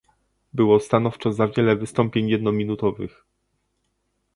Było stanowczo za wiele wystąpień jednominutowych